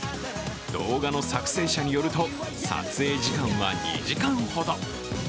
動画の作成者によると撮影時間は２時間ほど。